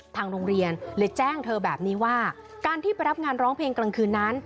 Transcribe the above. ทางโรงเรียนเลยแจ้งเธอแบบนี้ว่าการที่ไปรับงานร้องเพลงกลางคืนนั้น